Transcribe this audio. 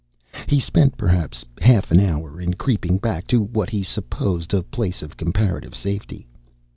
He spent perhaps half an hour in creeping back to what he supposed a place of comparative safety.